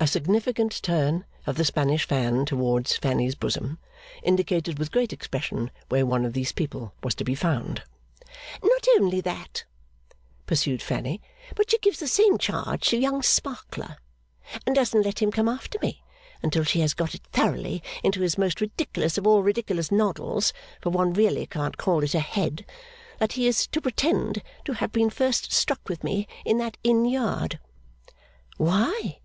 A significant turn of the Spanish fan towards Fanny's bosom, indicated with great expression where one of these people was to be found. 'Not only that,' pursued Fanny, 'but she gives the same charge to Young Sparkler; and doesn't let him come after me until she has got it thoroughly into his most ridiculous of all ridiculous noddles (for one really can't call it a head), that he is to pretend to have been first struck with me in that Inn Yard.' 'Why?